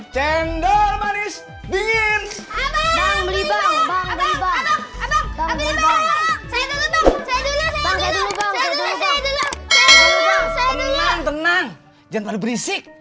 jangan pada berisik